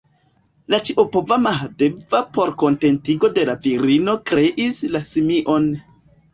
La ĉiopova Mahadeva por kontentigo de la virino kreis la simion.